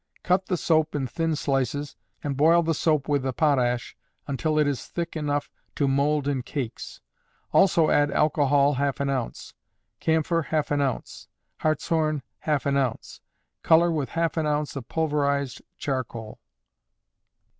Cut the soap in thin slices, and boil the soap with the potash until it is thick enough to mould in cakes; also add alcohol, half an ounce; camphor, half an ounce; hartshorn, half an ounce; color with half an ounce of pulverized charcoal.